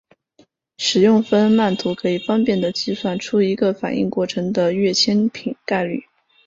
使用费恩曼图可以方便地计算出一个反应过程的跃迁概率。